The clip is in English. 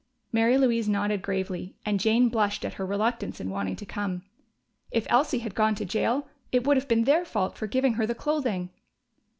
Mary Louise nodded gravely, and Jane blushed at her reluctance in wanting to come. If Elsie had gone to jail, it would have been their fault for giving her the clothing!